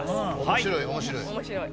面白い面白い。